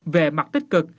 về mặt tích cực